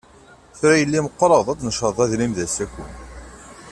Tura, a yelli meqqreḍ, ad necreḍ adrim d asaku.